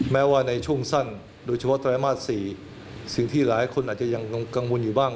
แม้ว่าในช่วงสั้นโดยเฉพาะไตรมาส๔สิ่งที่หลายคนอาจจะยังกังวลอยู่บ้าง